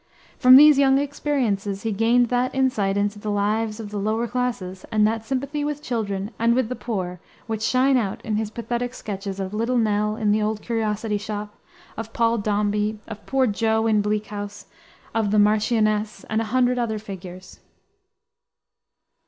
From these young experiences he gained that insight into the lives of the lower classes, and that sympathy with children and with the poor which shine out in his pathetic sketches of Little Nell, in The Old Curiosity Shop, of Paul Dombey, of Poor Jo, in Bleak House, of "the Marchioness," and a hundred other figures.